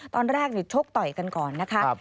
ตอนแรกชกต่อยกันก่อนนะคะ